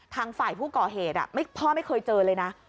ทางฝ่ายผู้ก่อเหตุพ่อไม่เคยเจอเลยนะ